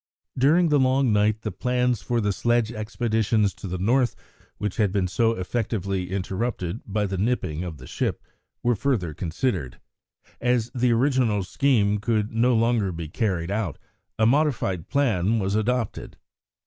During the long night the plans for the sledge expeditions to the North, which had been so effectively interrupted by the nipping of the ship, were further considered. As the original scheme could no longer be carried out, a modified plan was adopted.